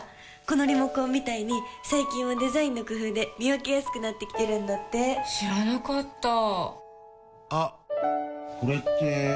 このリモコンみたいに最近はデザインの工夫で見分けやすくなってきてるんだって知らなかったあっ、これって・・・